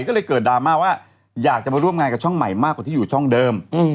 ก็เลยเกิดดราม่าว่าอยากจะมาร่วมงานกับช่องใหม่มากกว่าที่อยู่ช่องเดิม